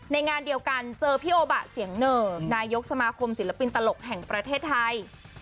งานเดียวกันเจอพี่โอบะเสียงเหนิบนายกสมาคมศิลปินตลกแห่งประเทศไทย